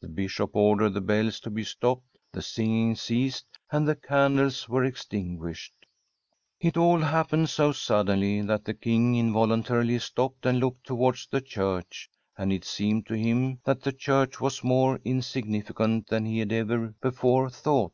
The Bishop ordered the bells to be stopped, the singing ceased, and the candles were extin guished. It all happened so suddenly that the King involuntarily stopped and looked towards the church, and it seemed to him that the church was more insignificant than he had ever before thought.